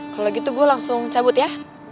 kalau gitu gue langsung cabut ya